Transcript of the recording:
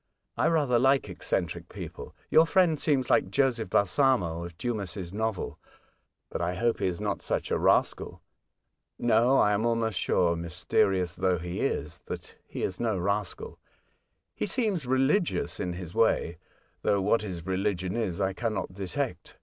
I rather like eccentric people. Your friend seems like Joseph Balsamo of Dumas' novel; but I hope he is not such a rascal." No ; I am almost sure, mysterious though A Love Chapter. 37 lie is, that he is no rascal. He seems religious in his way; though what his religion is I cannot detect.